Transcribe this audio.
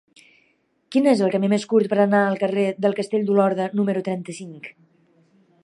Quin és el camí més curt per anar al carrer del Castell d'Olorda número trenta-cinc?